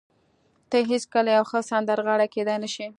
ته هېڅکله یوه ښه سندرغاړې کېدای نشې